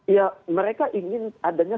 ya mereka ingin adanya